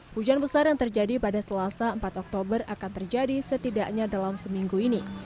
hujan besar yang terjadi pada selasa empat oktober akan terjadi setidaknya dalam seminggu ini